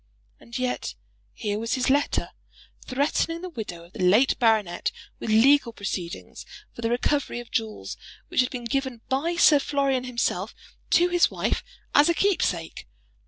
And yet here was his letter, threatening the widow of the late baronet with legal proceedings for the recovery of jewels which had been given by Sir Florian himself to his wife as a keepsake!